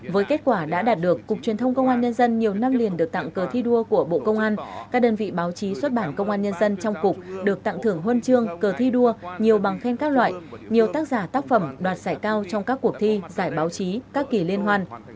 với kết quả đã đạt được cục truyền thông công an nhân dân nhiều năm liền được tặng cờ thi đua của bộ công an các đơn vị báo chí xuất bản công an nhân dân trong cục được tặng thưởng huân chương cờ thi đua nhiều bằng khen các loại nhiều tác giả tác phẩm đoạt giải cao trong các cuộc thi giải báo chí các kỳ liên hoan